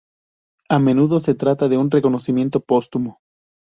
A menudo se trata de un reconocimiento póstumo.